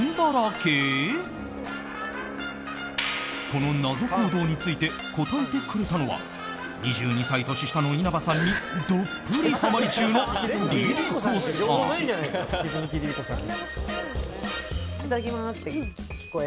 この謎行動について答えてくれたのは２２歳年下の稲葉さんにどっぷりハマり中のＬｉＬｉＣｏさん。